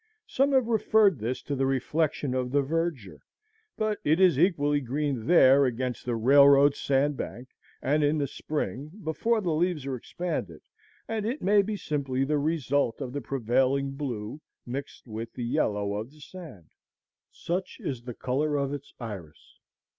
Some have referred this to the reflection of the verdure; but it is equally green there against the railroad sand bank, and in the spring, before the leaves are expanded, and it may be simply the result of the prevailing blue mixed with the yellow of the sand. Such is the color of its iris.